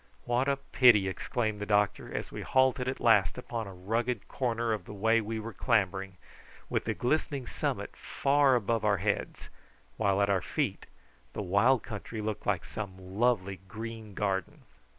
"What a pity!" exclaimed the doctor, as we halted at last upon a rugged corner of the way we were clambering, with the glistening summit far above our heads, while at our feet the wild country looked like some lovely green garden.